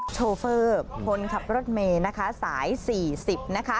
โชเฟอร์คนขับรถเมย์นะคะสาย๔๐นะคะ